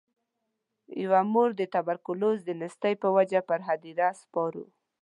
یوه مور د توبرکلوز د نیستۍ په وجه پر هدیرو سپارو.